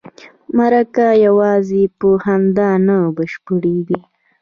مرکه یوازې په خندا نه بشپړیږي.